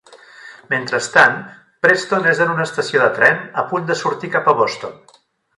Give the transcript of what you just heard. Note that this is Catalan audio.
Mentrestant, Preston és en una estació de tren, a punt de sortir cap a Boston.